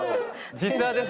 実話です